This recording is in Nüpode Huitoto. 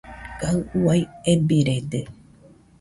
Kaɨ uai ebirede.